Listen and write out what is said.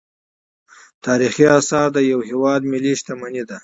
تاریخي اثار د یو هیواد ملي شتمني ده.